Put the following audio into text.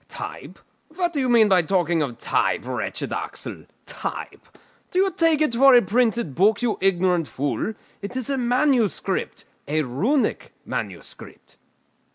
"Type! What do you mean by talking of type, wretched Axel? Type! Do you take it for a printed book, you ignorant fool? It is a manuscript, a Runic manuscript."